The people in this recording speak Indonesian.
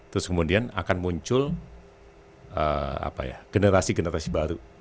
terus kemudian akan muncul generasi generasi baru